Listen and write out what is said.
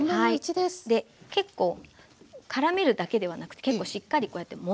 結構からめるだけではなくて結構しっかりこうやってもんで下さい。